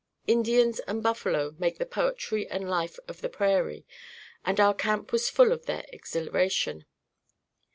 Indians and buffalo make the poetry and life of the prairie, and our camp was full of their exhilaration.